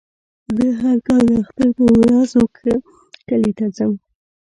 زه هر کال د اختر په ورځو کې کلي ته ځم.